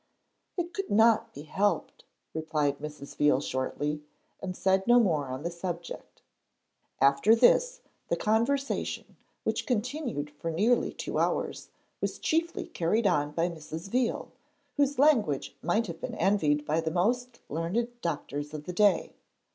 'It could not be helped,' replied Mrs. Veal shortly, and said no more on the subject. After this, the conversation, which continued for nearly two hours, was chiefly carried on by Mrs. Veal, whose language might have been envied by the most learned doctors of the day.